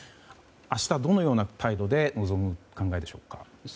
明日、どのような態度で臨む考えでしょうか。